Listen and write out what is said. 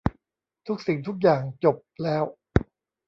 ทุกสิ่งทุกอย่างจบแล้ว